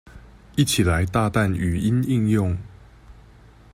一起來大啖語音應用